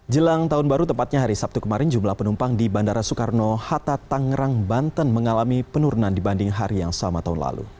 jelang tahun baru tepatnya hari sabtu kemarin jumlah penumpang di bandara soekarno hatta tangerang banten mengalami penurunan dibanding hari yang sama tahun lalu